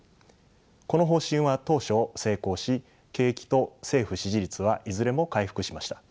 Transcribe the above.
この方針は当初成功し景気と政府支持率はいずれも回復しました。